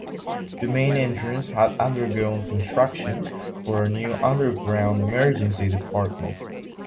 The main entrance had undergone construction for a new underground emergency department.